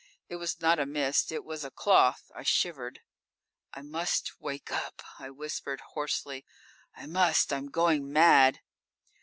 It was not a mist; it was a cloth. I shivered._ _"I must wake up," I whispered hoarsely, "I must! I'm going mad!"